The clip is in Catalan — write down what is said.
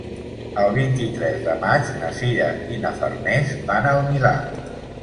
El vint-i-tres de maig na Sira i na Farners van al Milà.